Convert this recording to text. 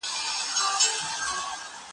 د ټولني هر اړخ باید په پرمختیا کي وشمېرل سي.